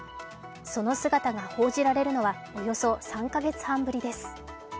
その姿が報じられるのはおよそ３か月半ぶりです。